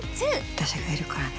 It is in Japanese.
私がいるからね。